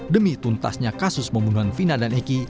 demi tuntasnya kasus pembunuhan vina dan eki